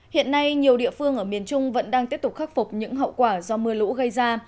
hiện nay nhiều địa phương ở miền trung vẫn đang tiếp tục khắc phục những hậu quả do mưa lũ gây ra